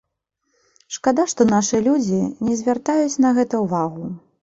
Шкада, што нашы людзі не звяртаюць на гэта ўвагу.